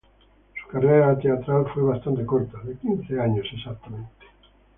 Su carrera teatral fue bastante corta, de quince años exactamente.